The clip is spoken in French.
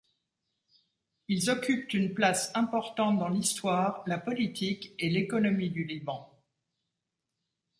Ils occupent une place importante dans l'histoire, la politique et l'économie du Liban.